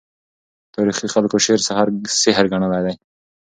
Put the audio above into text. تاریخي خلکو شعر سحر ګڼلی دی.